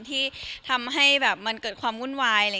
ที่ทำให้มันเกิดความวุ่นวาย